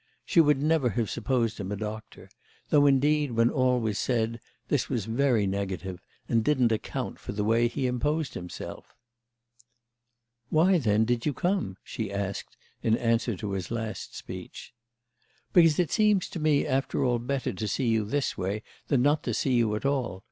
She would never have supposed him a doctor; though indeed when all was said this was very negative and didn't account for the way he imposed himself. "Why, then, did you come?" she asked in answer to his last speech. "Because it seems to me after all better to see you this way than not to see you at all.